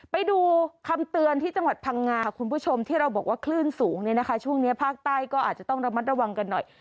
ไปดูคำเตือนที่จังหวัดพังงาคุณผู้ชมที่เราบอกว่าคลื่นสูงเนี่ยนะคะช่วงนี้ภาคใต้ก็อาจจะต้องระมัดระวังกันหน่อย